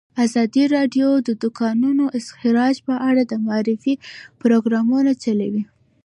ازادي راډیو د د کانونو استخراج په اړه د معارفې پروګرامونه چلولي.